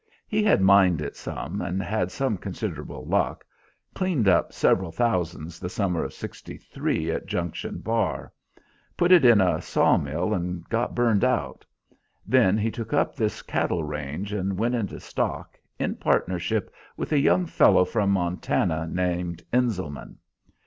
He had mined it some and had had considerable luck, cleaned up several thousands, the summer of '63, at Junction Bar. Put it in a sawmill and got burned out. Then he took up this cattle range and went into stock, in partnership with a young fellow from Montana, named Enselman.